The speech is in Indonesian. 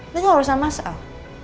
itu urusan masal